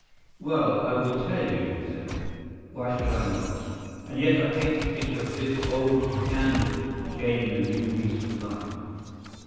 "Well, I will tell you," he said. "Why should I not? And yet I hate to think of this old scandal gaining a new lease of life.